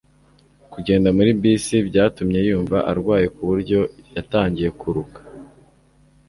kugenda muri bisi byatumye yumva arwaye kuburyo yatangiye kuruka